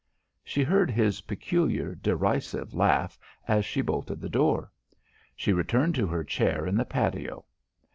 She heard his peculiar derisive laugh as she bolted the door. She returned to her chair in the patio.